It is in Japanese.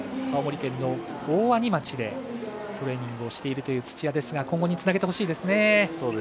青森県の大鰐町でトレーニングをしている土屋ですが今後につなげてほしいですね。